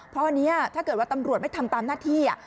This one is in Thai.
พอเนี่ยถ้าเกิดว่าตำรวจไม่ทำตามหน้าที่